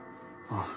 ああ。